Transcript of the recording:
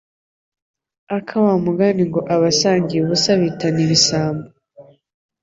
aka wa mugani ngo abasangiye ubusa bitana ibisambo